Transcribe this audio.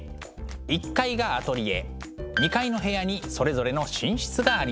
１階がアトリエ２階の部屋にそれぞれの寝室がありました。